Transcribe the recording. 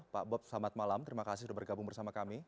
pak bob selamat malam terima kasih sudah bergabung bersama kami